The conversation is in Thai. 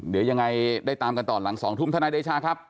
เดี๋ยวยังไงได้ตามกันต่อหลัง๒ทุ่มธนายเดชาครับ